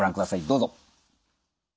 どうぞ。